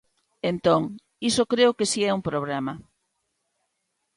Entón, iso creo que si é un problema.